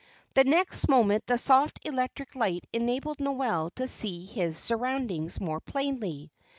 The next moment the soft electric light enabled Noel to see his surroundings more plainly.